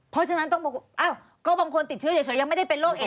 เพราะฉะนั้นต้องบอกว่าอ้าวก็บางคนติดเชื้อเฉยยังไม่ได้เป็นโรคเอ